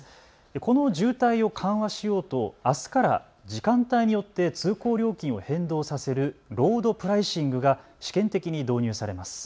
この渋滞を緩和しようとあすから時間帯によって通行料金を変動させるロードプライシングが試験的に導入されます。